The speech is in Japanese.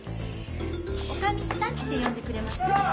おかみさんって呼んでくれます？